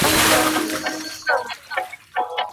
په بديو کې د نجلۍ له ورکولو ډډه وکړئ.